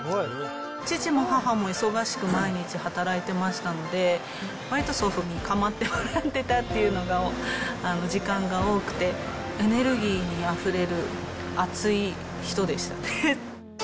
父も母も忙しく毎日働いてましたので、わりと祖父に構ってもらってたという時間が多くて、エネルギーにあふれる、熱い人でしたね。